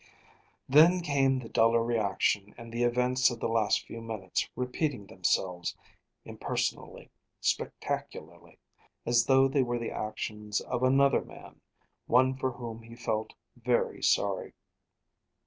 Then came the duller reaction and the events of the last few minutes repeated themselves, impersonally, spectacularly, as though they were the actions of another man; one for whom he felt very sorry.